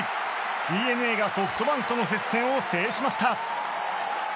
ＤｅＮＡがソフトバンクとの接戦を制しました。